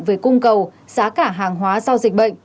về cung cầu giá cả hàng hóa do dịch bệnh